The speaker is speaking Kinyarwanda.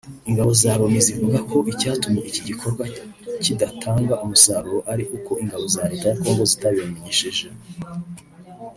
Ingabo za Loni zivuga ko icyatumye iki gikorwa kidatanga umusaruro ari uko ingabo za Leta ya Congo zitabibamenyesheje